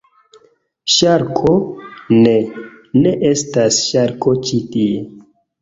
Ŝarko? Ne. Ne estas ŝarko ĉi tie!